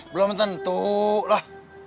belum tentu lah